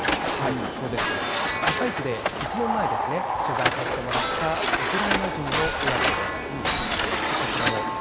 「あさイチ」で１年前に取材をさせていただいたウクライナ人の親子です。